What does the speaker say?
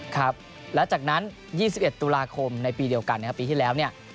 ครับแล้วจากนั้น๒๑ตุลาคมในปีเดียวกันนะครับปีที่แล้วเนี่ย